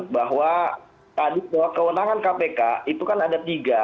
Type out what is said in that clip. bahwa tadi bahwa kewenangan kpk itu kan ada tiga